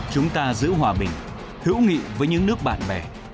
chúng ta giữ hòa bình hữu nghị với những nước bạn bè